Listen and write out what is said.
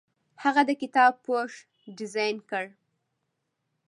هغه د کتاب پوښ ډیزاین کړ.